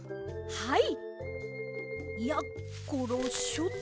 はい！